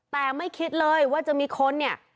แต่ไม่คิดเลยว่าจะมีคนเนี่ย